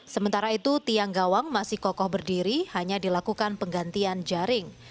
sementara itu tiang gawang masih kokoh berdiri hanya dilakukan penggantian jaring